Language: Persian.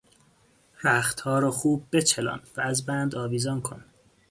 رختها را خوب بچلان و از بند آویزان کن!